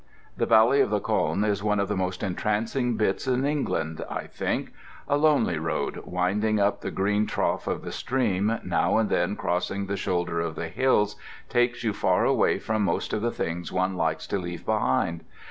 The valley of the Colne is one of the most entrancing bits in England, I think. A lonely road, winding up the green trough of the stream, now and then crossing the shoulder of the hills, takes you far away from most of the things one likes to leave behind.